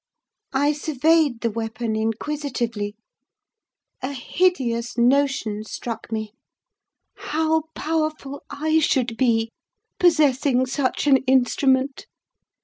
I surveyed the weapon inquisitively. A hideous notion struck me: how powerful I should be possessing such an instrument!